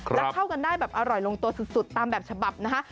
แล้วเข้ากันได้แบบอร่อยลงตัวสุดตามแบบฉบับนะคะ